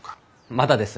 まだです。